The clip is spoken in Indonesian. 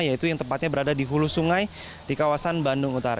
yaitu yang tepatnya berada di hulu sungai di kawasan bandung utara